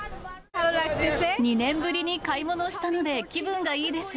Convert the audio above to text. ２年ぶりに買い物をしたので、気分がいいです。